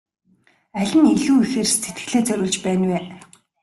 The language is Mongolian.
Аль нь илүү ихээр сэтгэлээ зориулж байна вэ?